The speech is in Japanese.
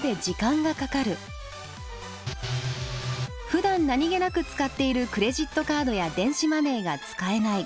ふだん何気なく使っているクレジットカードや電子マネーが使えない。